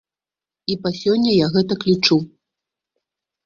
І па сёння я гэтак лічу.